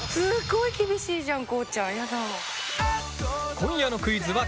今夜のクイズはこちら。